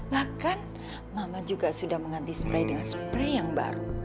bahkan mama juga sudah mengganti spray dengan spray yang baru